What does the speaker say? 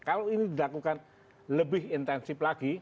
kalau ini dilakukan lebih intensif lagi